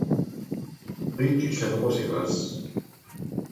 - Къикӏи, лъэныкъуэ зегъэз.